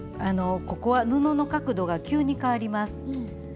ここは布の角度が急にかわります。